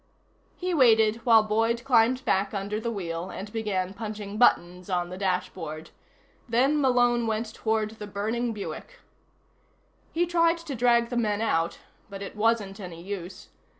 He waited while Boyd climbed back under the wheel and began punching buttons on the dashboard. Then Malone went toward the burning Buick. He tried to drag the men out, but it wasn't any use.